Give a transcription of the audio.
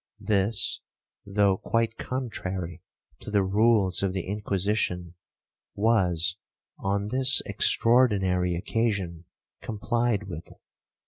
This, though quite contrary to the rules of the Inquisition, was, on this extraordinary occasion, complied with.